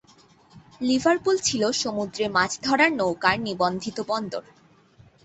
Liverpool ছিল সমুদ্রে মাছ ধরার নৌকার নিবন্ধিত বন্দর।